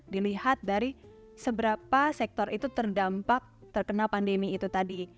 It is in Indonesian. dilihat dari seberapa sektor itu terdampak terkena pandemi itu tadi